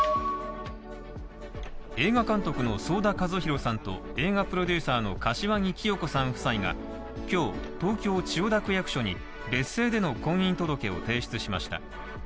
映画監督の想田和弘さんと映画プロデューサーの柏木規与子さん夫妻が今日、東京・千代田区役所に、別姓での婚姻届を提出しました。